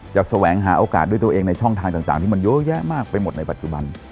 แสวงหาโอกาสด้วยตัวเองในช่องทางต่างที่มันเยอะแยะมากไปหมดในปัจจุบัน